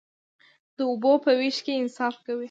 د اوبو په ویش کې انصاف کوئ؟